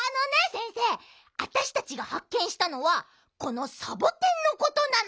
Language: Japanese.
先生あたしたちがはっけんしたのはこのサボテンのことなの。